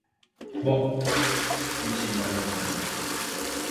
Boh…! —dixo unha vez máis.